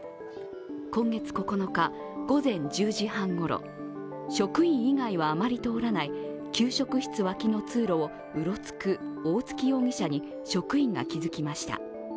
今月９日、午前１０時半ごろ職員以外はあまり通らない給食室脇の通路をうろつく大槻容疑者に、職員が気付きました。